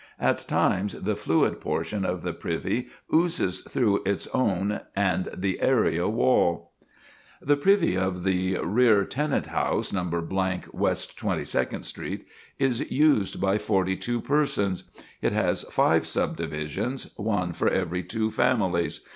At times the fluid portion of the privy oozes through its own and the area wall. "The privy of the rear tenant house No. West Twenty second Street is used by 42 persons; it has five subdivisions, one for every two families.